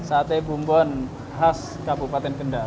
sate bumbon khas kabupaten kendal